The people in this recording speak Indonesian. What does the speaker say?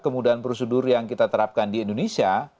kemudahan prosedur yang kita terapkan di indonesia